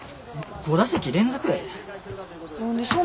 ５打席連続やで。